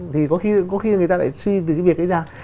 thì có khi người ta lại suy nghĩ việc ấy ra